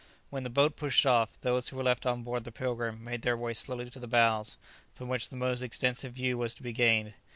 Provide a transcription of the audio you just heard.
When the boat pushed off, those who were left on board the "Pilgrim" made their way slowly to the bows, from which the most extensive view was to be gained.